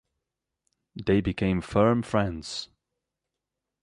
They became firm friends.